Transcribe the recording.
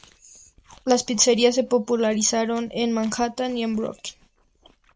Las pizzerías se popularizaron en Manhattan y en Brooklyn.